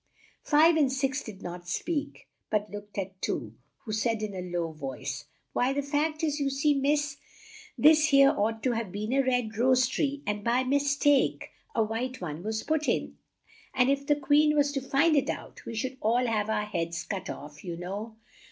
Five and Six did not speak, but looked at Two, who said in a low voice, "Why, the fact is, you see, Miss, this here ought to have been a red rose tree, and by mis take a white one was put in, and if the Queen was to find it out, we should all have our heads cut off, you know.